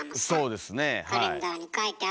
そうですねはい。